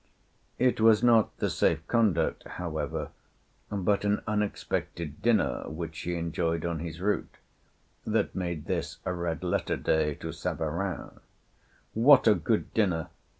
It was not the safe conduct, however, but an unexpected dinner which he enjoyed on his route, that made this a red letter day to Savarin: "What a good dinner!